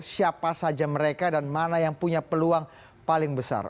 siapa saja mereka dan mana yang punya peluang paling besar